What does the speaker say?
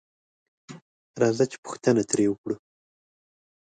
راځه چې پوښتنه تري وکړو